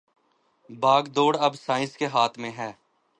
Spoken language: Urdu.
باگ ڈور اب سائنس کے ہاتھ میں ھے